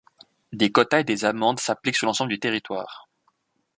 Des quotas et des amendes s’appliquent sur l’ensemble du territoire.